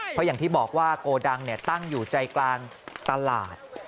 เพราะอย่างที่บอกว่าโกดังตั้งอยู่ใจกลางตลาด